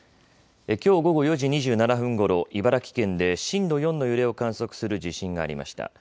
きょう午後４時２７分ごろ茨城県で震度４の揺れを観測する地震がありました。